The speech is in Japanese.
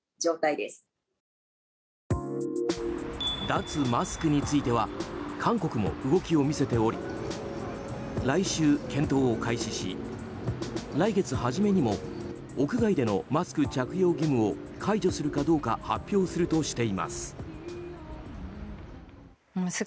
脱マスクについては韓国も動きを見せており来週、検討を開始し来月初めにも屋外でのマスク着用義務を解除するかどうか発表するとしています。